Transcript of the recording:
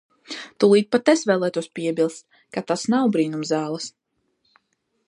Tūlīt pat es vēlētos piebilst, ka tās nav brīnumzāles.